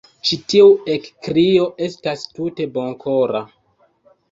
Ĉi tiu ekkrio estis tute bonkora.